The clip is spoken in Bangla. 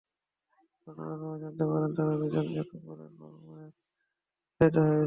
ঘটনাক্রমে জানতে পারেন, তাঁরা দুজন একে অপরের বাবা-মায়ের কাছে লালিতপালিত হয়েছেন।